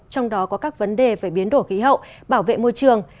có các vấn đề về biến đổi khí hậu bảo vệ môi trường